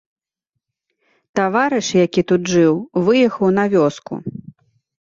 Таварыш, які тут жыў, выехаў на вёску.